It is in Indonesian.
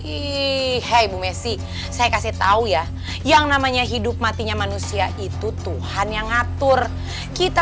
ye bu messi saya kasih tahu ya yang namanya hidup matinya manusia itu tuhan yang ngatur kita